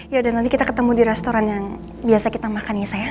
yaudah nanti kita ketemu di restoran yang biasa kita makan ya sayang